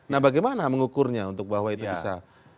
nah bagaimana mengukurnya untuk bahwa itu bisa